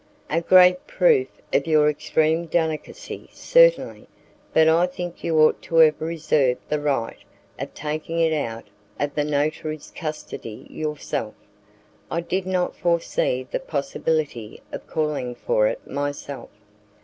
"A great proof of your extreme delicacy, certainly, but I think you ought to have reserved the right of taking it out of the notary's custody yourself." "I did not forsee the possibility of calling for it myself."